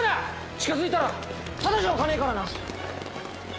近づいたらただじゃおかねえからな！